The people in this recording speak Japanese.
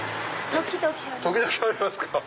時々あります。